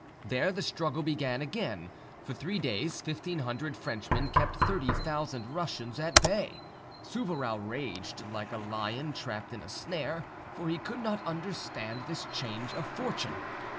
There the struggle began again; for three days fifteen hundred Frenchmen kept thirty thousand Russians at bay. Souvarow raged like a lion trapped in a snare, for he could not understand this change of fortune.